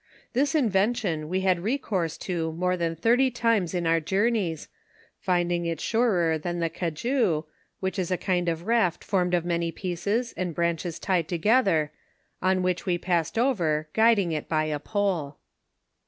Tliis invention we had recourse to more than thirty times in our journeys, finding it surer than the Cajou, which is a kind of raft formed of many pieces, and branches tied together, on which we passed over, guiding it by a jiole.